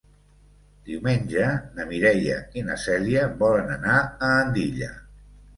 Diumenge na Mireia i na Cèlia volen anar a Andilla.